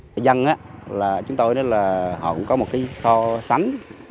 với dân chúng tôi cũng có một so sánh